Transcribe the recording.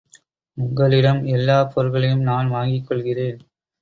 உங்களிடம் எல்லாப் பொருள்களையும் நான் வாங்கிக் கொள்கிறேன்.